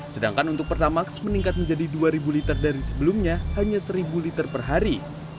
sedangkan untuk pertamax meningkat menjadi dua ribu liter dari sebelumnya hanya seribu liter per hari